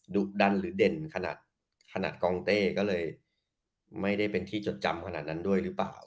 ดุดันหรือเด่นขนาดกองเต้ก็เลยไม่ได้เป็นที่จดจำขนาดนั้นด้วยหรือเปล่า